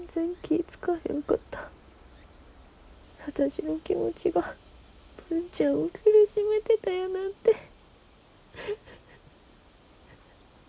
私の気持ちが文ちゃんを苦しめてたやなんて。